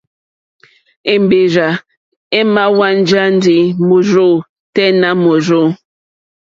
Èmbèrzà èmà hwánjá ndí mòrzô tɛ́ nà mòrzô.